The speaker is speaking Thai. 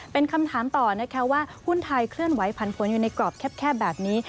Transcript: เป็นคำถามต่อนะคะว่าหุ้นไทยเคลื่อนไหวผันผลอยู่ในกรอบแคบแบบนี้